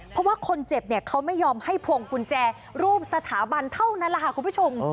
เพราะว่าคนเจ็บเนี่ยเขาไม่ยอมให้พวงกุญแจรูปสถาบันเท่านั้นแหละค่ะคุณผู้ชม